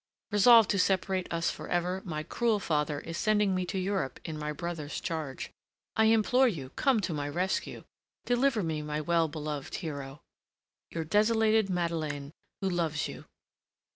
Resolved to separate us for ever, my cruel father is sending me to Europe in my brother's charge. I implore you, come to my rescue. Deliver me, my well beloved hero! Your desolated Madeleine, who loves you."